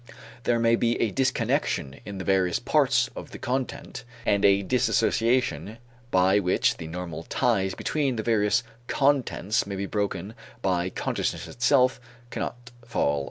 There may be a disconnection in the various parts of the content and a dissociation by which the normal ties between the various contents may be broken but consciousness itself cannot fall asunder.